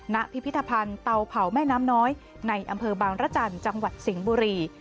พิพิธภัณฑ์เตาเผาแม่น้ำน้อยในอำเภอบางรจันทร์จังหวัดสิงห์บุรี